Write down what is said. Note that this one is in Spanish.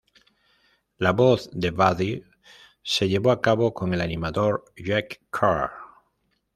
La voz de Buddy se llevó a cabo por el animador Jack Carr.